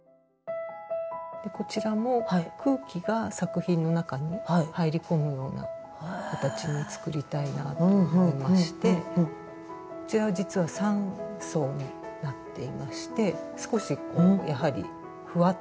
こちらも空気が作品の中に入り込むような形に作りたいなと思いましてこちらは実は３層になっていまして少しこうやはりふわっと立体的に。